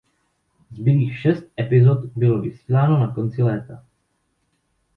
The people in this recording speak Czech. Zbylých šest epizod bylo vysíláno na konci léta.